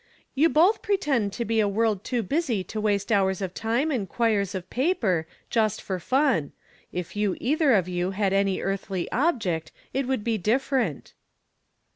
" You both pretend to be a world too busy to waste hours of time and quires of paper, just for fun. If you either of you had any earthly object, it would be dififerent."